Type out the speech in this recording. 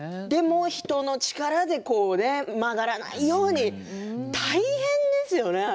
人の力で曲がらないようにあれも大変ですよね。